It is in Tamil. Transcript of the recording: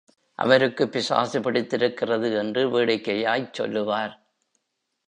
அவருக்குப் பிசாசு பிடித்திருக்கிறது என்று வேடிக்கையாய்ச் சொல்லுவார்.